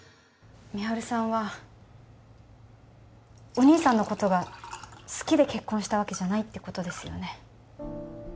美晴さんはお義兄さんのことが好きで結婚したわけじゃないってことですよね？